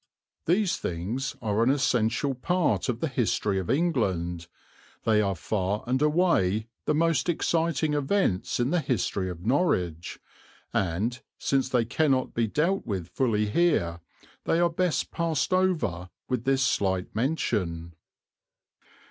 These things are an essential part of the history of England; they are far and away the most exciting events in the history of Norwich, and, since they cannot be dealt with fully here, they are best passed over with this slight mention.